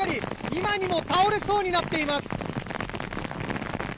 今にも倒れそうになっています。